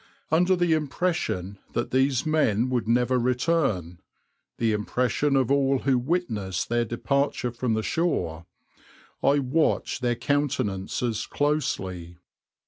Under the impression that these men would never return, the impression of all who witnessed their departure from the shore, I watched their countenances closely.